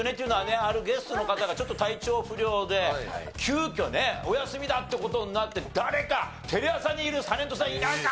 あるゲストの方がちょっと体調不良で急きょねお休みだって事になって誰かテレ朝にいるタレントさんいないか？